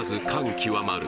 極まる